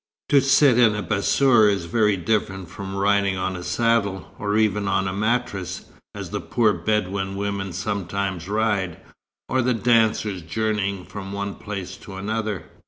"To sit in a bassour is very different from riding on a saddle, or even on a mattress, as the poor Bedouin women sometimes ride, or the dancers journeying from one place to another.